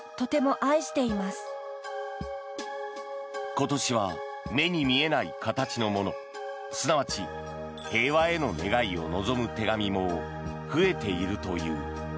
今年は目に見えない形のものすなわち平和への願いを望む手紙も増えているという。